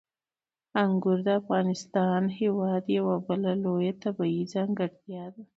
انګور د افغانستان هېواد یوه بله لویه طبیعي ځانګړتیا ده.